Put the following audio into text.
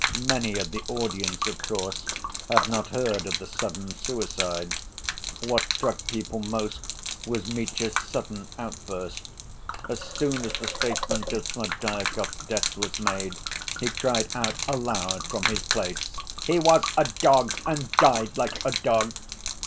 Many of the audience, of course, had not heard of the sudden suicide. What struck people most was Mitya's sudden outburst. As soon as the statement of Smerdyakov's death was made, he cried out aloud from his place: "He was a dog and died like a dog!"